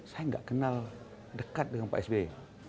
saya nggak kenal dekat dengan pak sby